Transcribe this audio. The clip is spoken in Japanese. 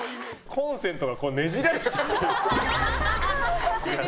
コンセントがねじられちゃってる。